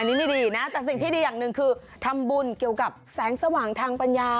อันนี้ไม่ดีนะแต่สิ่งที่ดีอย่างหนึ่งคือทำบุญเกี่ยวกับแสงสว่างทางปัญญา